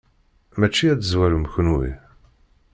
Mačči ad tezwarem kenwi.